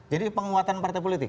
jadi penguatan partai politik